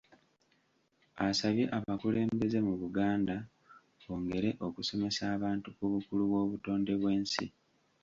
Asabye abakulembeze mu Buganda bongere okusomesa abantu ku bukulu bw’obutonde bw’ensi.